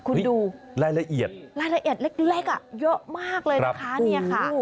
คุณดูลายละเอียดลายละเอียดเล็กเยอะมากเลยนะคะ